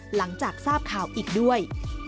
หลังจากทราบข่าวอีกด้วย